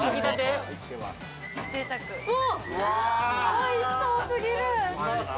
◆おいしそう過ぎる！